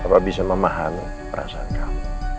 bapak bisa memahami perasaan kamu